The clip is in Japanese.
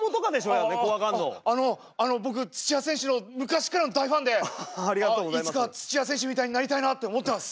あのあの僕土谷選手の昔からの大ファンでいつか土谷選手みたいになりたいなって思ってます。